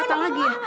gatal lagi ya